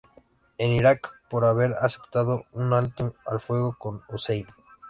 En Irak por haber aceptado un alto al fuego con Hussein.